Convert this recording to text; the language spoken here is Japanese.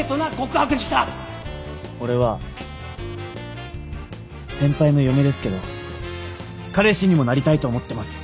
俺は先輩の嫁ですけど彼氏にもなりたいと思ってます